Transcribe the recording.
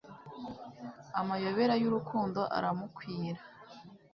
amayobera y'urukundo aramukwira